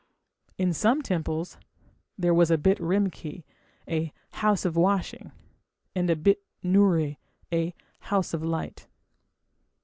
In some temples there was a bit rimki, a "house of washing", and a bit nuri, a "house of light".